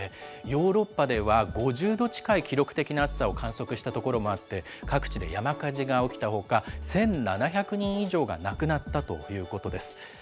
ヨーロッパでは、５０度近い記録的な暑さを観測した所もあって、各地で山火事が起きたほか、１７００人以上が亡くなったということです。